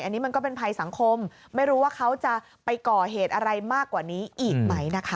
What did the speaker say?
อันนี้มันก็เป็นภัยสังคมไม่รู้ว่าเขาจะไปก่อเหตุอะไรมากกว่านี้อีกไหมนะคะ